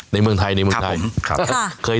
ในเมืองไทย